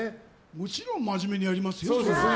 もちろん、真面目にやりますよ。